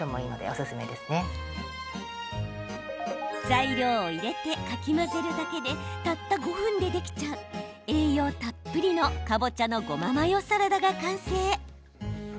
材料を入れてかき混ぜるだけでたった５分でできちゃう栄養たっぷりのかぼちゃのごまマヨサラダが完成。